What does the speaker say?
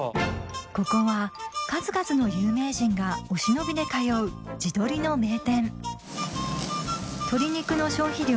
ここは数々の有名人がお忍びで通う地鶏の名店鶏肉の消費量